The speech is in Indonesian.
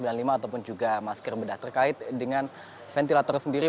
ataupun juga masker bedah terkait dengan ventilator sendiri